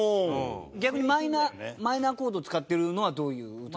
逆にマイナーマイナーコード使ってるのはどういう歌？